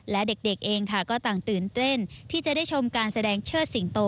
และเด็กเองค่ะก็ต่างตื่นเต้นที่จะได้ชมการแสดงเชิดสิงโต